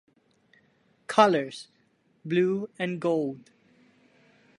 Colours: Blue and Gold.